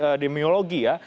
di epidemiologi ya